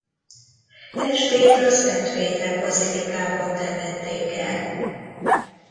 Testét a Szent Péter-bazilikában temették el.